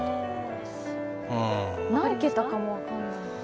何桁かも分からないです。